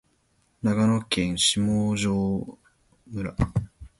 長野県下條村